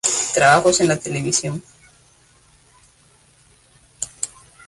Trabajos en la televisión